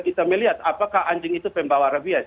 kita melihat apakah anjing itu pembawa rabies